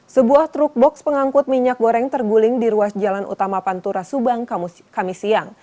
sebuah truk boks pengangkut minyak goreng terguling di ruas jalan utama pantura subang kamisiyang